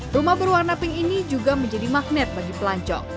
rumah berwarna pink ini juga menjadi magnet bagi pelancong